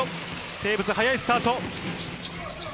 テーブス早いスタート。